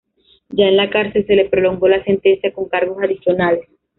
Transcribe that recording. Ya en la cárcel, se le prolongó la sentencia con cargos adicionales.